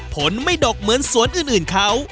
ผลไม่ดกเหมือนสวนอื่นเขา